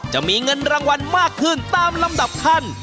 จะมีเงินรางวัลมากขึ้นตามลำดับขั้น